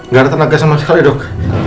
nggak ada tenaga sama sekali dok